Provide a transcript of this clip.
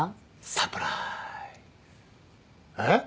サプライズえっ？